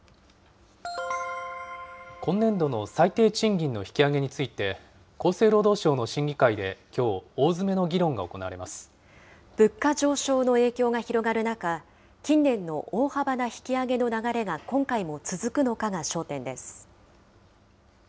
今年度の最低賃金の引き上げについて、厚生労働省の審議会できょう、物価上昇の影響が広がる中、近年の大幅な引き上げの流れが今回も続くのかが焦点です。